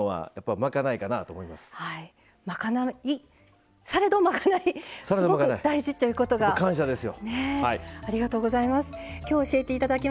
まかない、されどまかないすごく大事ということがね。感謝ですよ。